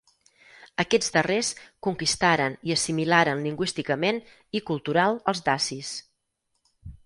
Aquests darrers conquistaren i assimilaren lingüísticament i cultural els dacis.